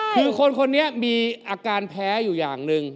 คือคนคนนี้มีอาการแพ้อยู่อย่างหนึ่ง